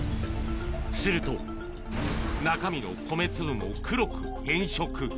すると、中身の米粒も黒く変色。